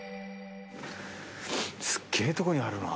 すっげぇとこにあるな。